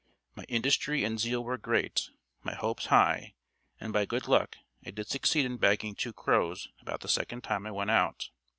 My industry and zeal were great, my hopes high, and by good luck I did succeed in bagging two crows about the second time I went out.